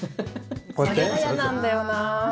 それが嫌なんだよな。